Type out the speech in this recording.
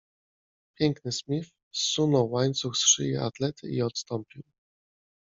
Piękny Smith zsunął łańcuch z szyi Atlety i odstąpił.